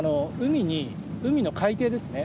海の海底ですね。